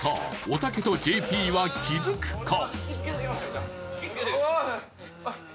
おたけとＪＰは気づくか？